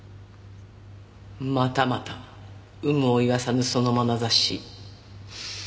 またまた有無を言わさぬそのまなざし。